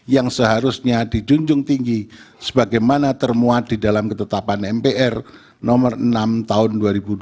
yang seharusnya dijunjung tinggi sebagaimana termuat di dalam ketetapan mpr nomor enam tahun dua ribu dua puluh